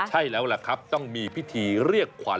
ใช่แล้วล่ะครับต้องมีพิธีเรียกขวัญ